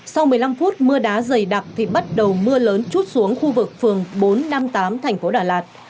sau một mươi năm phút mưa đá dày đặc thì bắt đầu mưa lớn chút xuống khu vực phường bốn năm tám thành phố đà lạt